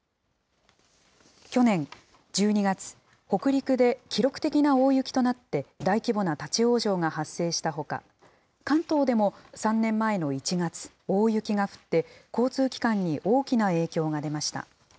去年１２月、北陸で記録的な大雪となって大規模な立往生が発生したほか、関東でも３年前の１月、大雪が降って、交通機関に大きな影響が出ました。